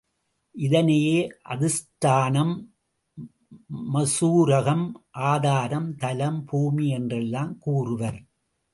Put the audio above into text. இதனையே அதிஷ்டானம், மசூரகம், ஆதாரம், தலம், பூமி என்றெல்லாம் கூறுவர்.